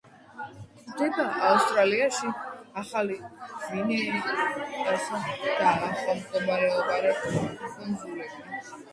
გვხვდება ავსტრალიაში, ახალ გვინეასა და ახლომდებარე კუნძულებზე.